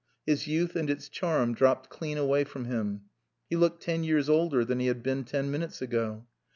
His youth and its charm dropped clean away from him. He looked ten years older than he had been ten minutes ago.